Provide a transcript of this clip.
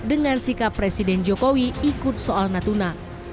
dengan sikap presiden jokowi ikut soal natuna